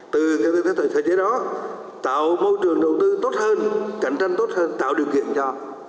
từ cái thể chế đó tạo môi trường đầu tư tốt hơn cạnh tranh tốt hơn tạo điều kiện cho